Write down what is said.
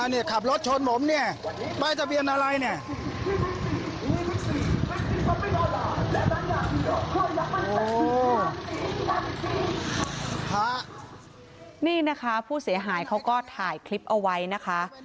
นี่นะคะผู้เสียหายเขาก็ถ่ายคลิปเอาไว้นะคะ